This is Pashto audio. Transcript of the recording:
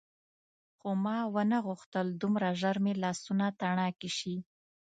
خو ما ونه غوښتل دومره ژر مې لاسونه تڼاکي شي.